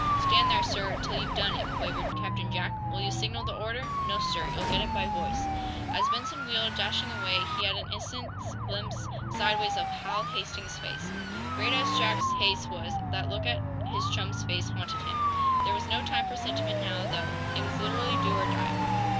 "Stand there, sir, till you've done it!" quavered Captain Jack. "Will you signal the order?" "No, sir! You'll get it by voice." As Benson wheeled, dashing away, he had an instant's glimpse, sideways, of Hal Hastings's face. Great as Jack's haste was, that look at his chum's face haunted him. There was no time for sentiment, now, though. It was literally do or die!